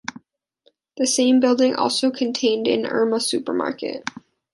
The same building also contained an Irma supermarket.